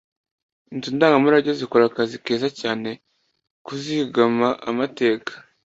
Inzu ndangamurage zikora akazi keza cyane kuzigama amateka.